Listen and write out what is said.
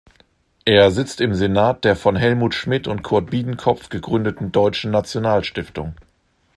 Er sitzt im Senat der von Helmut Schmidt und Kurt Biedenkopf gegründeten Deutschen Nationalstiftung.